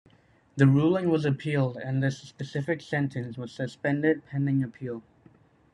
The ruling was appealed and this specific sentence was suspended pending appeal.